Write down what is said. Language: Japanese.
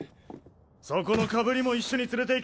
そこのカブリも一緒に連れていけ。